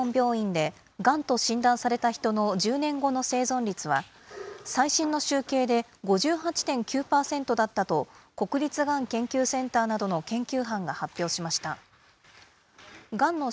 気になるニュースをまとめてお伝全国の主ながん専門病院で、がんと診断された人の１０年後の生存率は、最新の集計で５８．９％だったと、国立がん研究センターなどの研究班が発表しました。